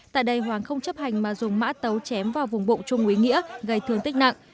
tại đây hoàng không chấp hành mà dùng mã tấu chém vào vùng bụng trung úy nghĩa gây thương tích nặng